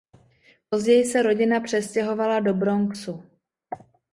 Později se rodina přestěhovala do Bronxu.